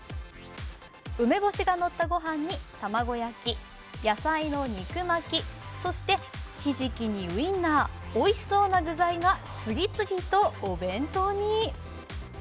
梅干しがのったご飯に卵焼き、野菜の肉巻き、そして、ひじきにウインナー、おいしそうな具材が次々とお弁当に。